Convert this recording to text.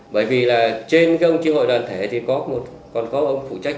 bởi vì là trên cái ông triệu hội đoàn thể thì còn có ông phụ trách